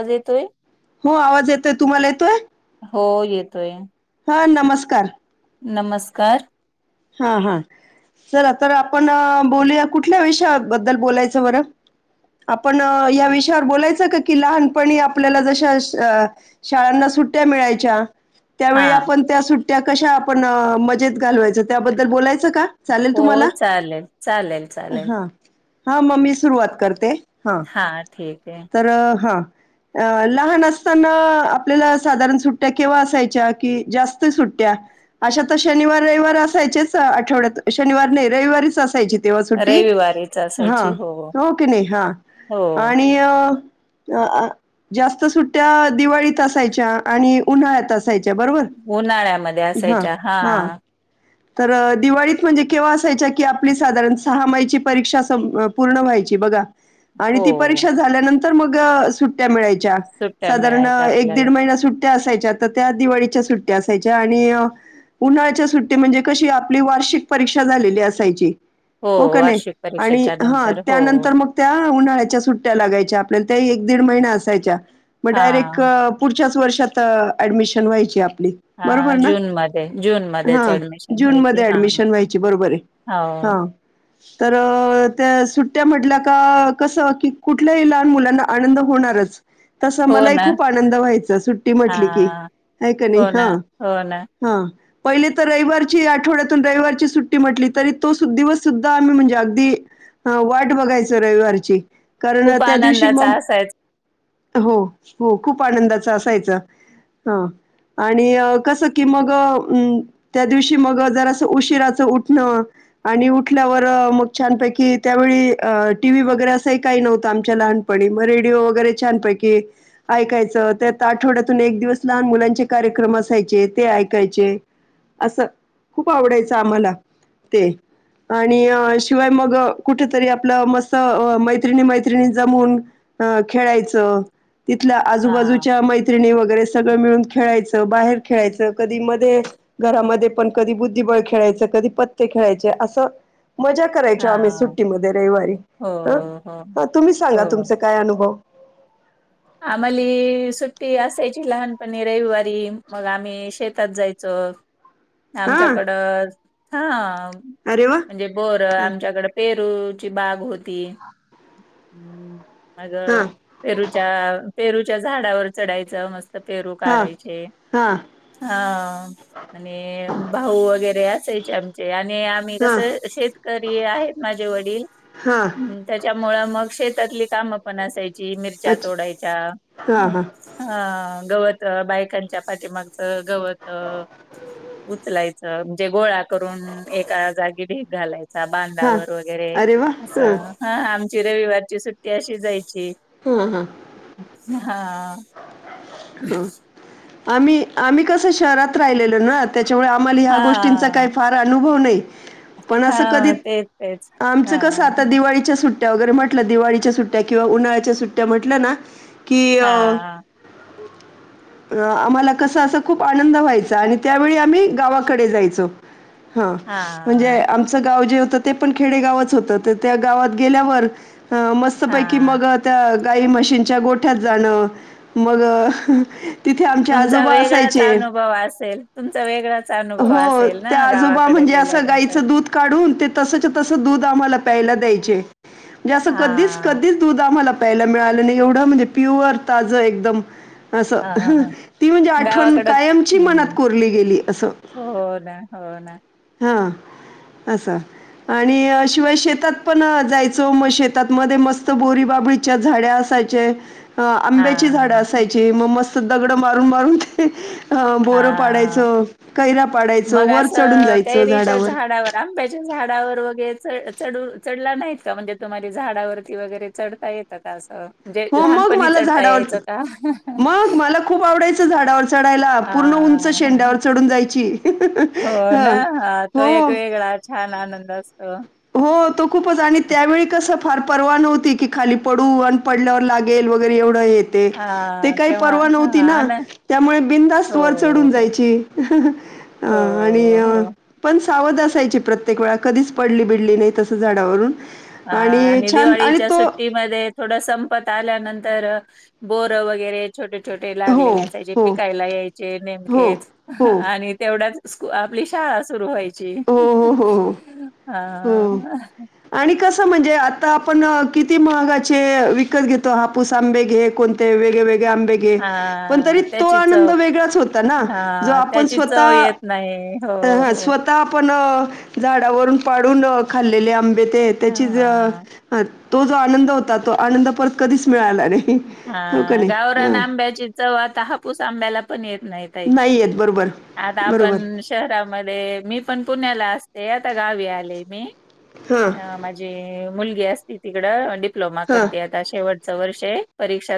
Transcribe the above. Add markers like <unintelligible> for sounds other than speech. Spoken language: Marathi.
आज येतोय. हो आवाज येतोय. तुम्हाला येतोय हे.? हो येतोय. ह नमस्कार. नमस्कार. ह, ह चला तर आपण बोलूया, कुठल्या विषयाबद्दल बोलायचं बरं. आपण या विषयावर बोलायचं का, की लहानपणी आपल्याला जशाश अ. शाळांना सुट्ट्या मिळायच्या. हा त्यावेळी आपण, त्या सुट्ट्या कशा आपण मजेत घालवायचं त्याबद्दल बोलायचं का. चालेल हो तुम्हाला चालेल, चालेल, चालेल. ह मग मी सुरुवात करते ह. हा ठीक हे तर ह अ लहान असताना आपल्याला साधारण सुट्ट्या केव्हा असायच्या कि जास्त सुट्ट्या अशा तर शनिवार, रविवार असायचेच आठवड्यात शनिवार नाही रविवारीच असायचे तेव्हा सुट्टी रविवारीच हा असायची हो की नाही हा हो आणि अ जास्त सुट्ट्या दिवाळीत असायच्या आणि उन्हाळ्यातस असायच्या बरोबर उन्हाळ्यामध्ये हा, असायच्या हा तर दिवाळीत म्हणजे केव्हा असायच्या की आपली साधारण सहा माहिची परीक्षा पूर्ण व्हायची बघा आणि हो ती परीक्षा झाल्यानंतर मग सुट्ट्या मिळायच्या सुट्ट्या साधारण मिळायच्या एक आपल्याला दीड महिना सुट्ट त्या असायच्या आता त्या दिवाळीच्या सुट्ट्या असायच्या आणि उन्हाळच्या सुट्ट्या ते म्हणजे कशी आपली वार्षिक परीक्षा झालेली असायची हो का नाही वार्षिक आणि परीक्षेच्या हा नंतर हो त्यानंतर मग त्या उन्हाळ्याच्या सुट्ट्या लागायच्या आपल्याला त्या एक दीड महिना असायच्या मग हा डायरेक पुढच्याच वर्षात ऍडमिशन व्हायची आपली हा बरोबर जून मध्ये जून मध्येच ऍडमिशन जून व्हायची मध्ये हा ऍडमिशन व्हायची बरोबर आहे हो हा तर त्या सुट्ट्या म्हटल्या का कसं की कुठल्याही लहान मुलांना आनंद होणारच तस हो मलाही ना खूप आनंद व्हायचा सुट्टी हा म्हटली की हाय कणी हो ना हा हो ना हा पहिले तर रविवारी ची आठवड्यातून रविवारची सुट्टी म्हटली तरी तो दिवस सुद्धा आम्ही म्हणजे अगदी हा वाट बघायचं रविवारची कारण खूप त्या दिवशी आनंदाचा मग असायच हो, हो खूप आनंदाच असायचं हा आणि कसं की मग त्या दिवशी मग जर असं उशीराचं उठणं आणि उठल्यावर मग छानपैकी त्यावेळी टी व्ही वगैरे असंही काही नव्हतं आमच्या लहान पडी मग रेडिओ वगैरे छानपैकी ऐकायचं त्यात आठवड्यातून एक दिवस लहान मुलांचे कार्यक्रम असायचे ते ऐकायचे असं खूप आवडायचं आम्हाला ते आणि शिवाय मग कुठ तरी आपलं मस्त मैत्रिणी, मैत्रिणी जमून अ खेळायचं तिथल्या हा आजूबाजूच्या मै मैत्रिणी वगैरे सगळं मिळून खेळायचं बाहेर खेळायचं कधी मध्ये घरामध्ये पण कधी बुद्धिबळ खेळायचं कधी पत्ते खेळायचे असं मजा करायच्या आम्ही हा सुट्टीमध्ये रविवारी हो, हो, हा तुम्ही सांगा हो. तुमचा काय अनुभव आम्हाली सुट्टी असायची लहानपणी रविवारी मग आम्ही शेतात जायचो हां, आमच्याकडं हा अरे वाह! म्हणजे बोर हां, आमच्याकड पेरूची बाग होती मग हां, पेरू त्या पेरूच्या झाडावर चढायचं मस्त पेरू हां, काढायचे हां, हा आणि भाऊ वगैरे असायचे आमचे आणि आम्ही हां, कसं शेत करी आहेत माझे वडील हा हं त्याच्यामुळं मग शेतातली कामं पण असायची मिरच्या अच्छा. तोडायच्या हा हा हा गवत बायकांच्या पाठीमाग गवत उचलायचं म्हणजे गोळा करून, एका जागी ढीग घालायचा हा बांधावर वगैरे अरे वा असं हा आमची रविवारची सुट्टी अशी जायची हा हा. हा. आम्ही, आम्ही कस शहरात राहिलेलो ना त्याच्यामुळे आम्हाला ह्या हा गोष्टींचा काही फार अनुभव नाही. पण असं कधी, हा तेच तेच आमचं हा कस आता दिवाळीच्या सुट्ट सुट्ट्या वगैरे म्हटलं दिवाळीच्या सुट्ट्या किंवा उन्हाळ्याच्या सुट्ट्या म्हंटल्या ना, की अ हा <unintelligible> आम्हाला कसं असं खूप आनंद व्हायचा आणि त्यावेळी आम्ही गावाकडे जायचो. हा म्हणजे आ आमचं गाव जे होतं ते पण खेडेगावच होतं, तर त्या गावात गेल्यावर, मस्तपैकी हा. मग त्या गाई म्हशींच्यागोठ्यात जाणं, मग तिथे आमचे तुमचा आजोबा वेगळाच असायचे अनुभव असेल, तुमचा वेगळाच अनुभव. हो, असेल ना ते आजोबा गावाकडे म्हणजे असं गेल्यानंतर गाईचं दूध काढुन तसच्या तसं दूध आम्हाला प्यायला द्यायचे, ते असं हा कधीच, कधीच दूध आम्हाला प्यायला मिळालं नाही, एवढं म्हणजे प्युअर ताज एकदम असं, हा हा ती म्हणजे आठवण गावाकड कायमची मनात हम्म कोरली गेली असं हो ना, हो ना. हा, असं. आणि शिवाय शेतात पण जायचो, मग शेतात मध्ये मस्त बोरी बाबळी च्या झाडे असायचे, आंब्याची झाडं हा असायची, मग मस्त दगडं मारून मारून बोरं हा पाडायचं, कैरा पाडायचं, वर चढून जायचं झाडावर. आांब्याच्या झाडावर वगैरे चढू,. चढला नाहीत का? म्हणजे तुम्हारी झाडावरती वगैरे चढता येत त्यात असं. म्हणजे हो मग लहानपणी मला चढता झाडावर, यायचं का मग मला खूप आवडायचं झाडावर चढायला, हा पूर्ण उंच हा शेंड्यावर चढून जायची. हो ना, हां. हा तो एक हो. वेगळा छान आनंद असतो. हो तो खूपच आणि त्यावेळी कस फार परवा नव्हती की खाली पडू आणि पडल्यावर लागे गेल वगैरे एवढं हेत. ते हां, काय तेव्हा परवा हां, नव्हती ना, आन त्यामुळे बिंधास्त हो, वर चढून हो, जायची. हा आणि हो, अ हो. पण सावध असायची प्रत्येक वेळा कधीच पडली- बिडली नाही तसं झाडावरून. हा आणि दिवाळीच्या सुट्टीमध्ये थोड संपत आल्यानंतर बोर वगैरे छोटे- छोटे हो, लागलेले असायचे. हो, पिकायला यायचे हो, हो, नेमकेच हो, आणि तेवढ्यात स्क, आपली शाळा सुरू व्हायची. हो, हो, हो, अ हो. आणि कसं म्हणजे आता आपण, किती महागाचे विकत घेतो. हापूस आंबे घे कोणते ते वेगळे, वेगळे आंबे पण तरी हां, तो त्याची आनंद चव वेगळाच होता ना, जो हां, आपण त्याची स्वतःता चव येत नाही. हो, हो. आता आपण झाडावरून पाडून खाल्लेले आंबे ते त्याची ज हां, ह, तो जो आनंद होता तो आनंद परत कधीच मिळाला नाही. हो का हा, नाही? गावरान हां. आंब्याची चव आता, हापूस आंब्याला पण येत नाहीत. नाही येत बरोबर. आता बरोबर. आपण शहरामध्ये मी पण पुण्याला असते. आता गावी आले मी हां, मुलीगी असते तिकड डिप्लोमा हां. करतेे. शेवटच वर्ष हे परीक्षा